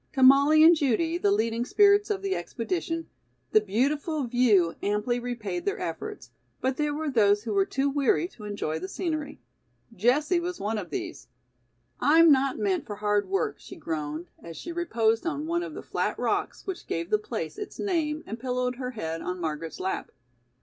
To Molly and Judy, the leading spirits of the expedition, the beautiful view amply repaid their efforts, but there were those who were too weary to enjoy the scenery. Jessie was one of these. "I'm not meant for hard work," she groaned, as she reposed on one of the flat rocks which gave the place its name and pillowed her head on Margaret's lap.